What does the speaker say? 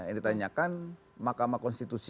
yang ditanyakan makamah konstitusi